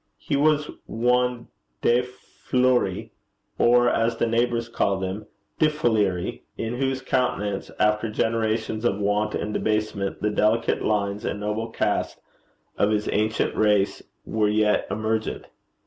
He was one De Fleuri, or as the neighbours called him, Diffleery, in whose countenance, after generations of want and debasement, the delicate lines and noble cast of his ancient race were yet emergent.